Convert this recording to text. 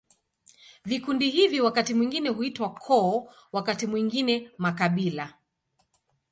Vikundi hivi wakati mwingine huitwa koo, wakati mwingine makabila.